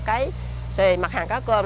cái sề mặt hàng cá cơm